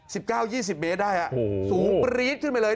สิบเก้ายี่สิบเมตรได้ฮะโอ้โหสูงปรี๊ดขึ้นไปเลย